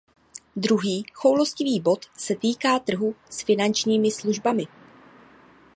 Druhý choulostivý bod se týká trhu s finančními službami.